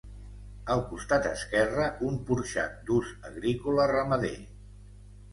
Al costat esquerre, un porxat d'ús agrícola-ramader.